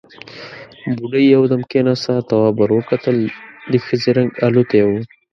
بوډۍ يودم کېناسته، تواب ور وکتل، د ښځې رنګ الوتی و.